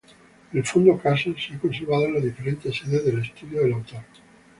El fondo Casas se ha conservado en las diferentes sedes del estudio del autor.